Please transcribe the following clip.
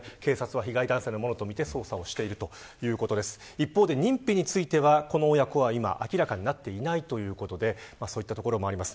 一方で、認否についてはこの親子は今明らかになっていないということでそういったところもあります。